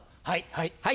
はい。